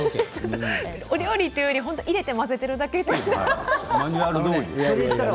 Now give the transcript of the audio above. お料理というより本当に入れて混ぜているだけだから。